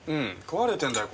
壊れてるんだよ